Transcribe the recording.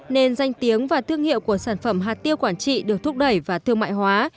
nên danh tiếng và thương hiệu của sản phẩm hạt tiêu quảng trị được thúc đẩy và thương mại hóa